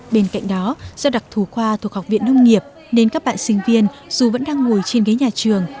bên cạnh đó do đặc thù khoa thuộc học viện nông nghiệp nên các bạn sinh viên dù vẫn đang ngồi trên ghế nhà trường